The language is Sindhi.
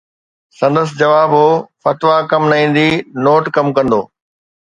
سندس جواب هو: فتويٰ ڪم نه ايندي، نوٽ ڪم ڪندو.